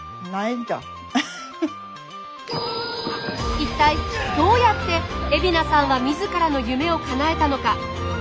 一体どうやって海老名さんは自らの夢をかなえたのか。